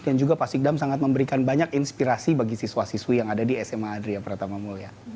dan juga pak sikdam sangat memberikan banyak inspirasi bagi siswa siswi yang ada di sma adria pratama mulya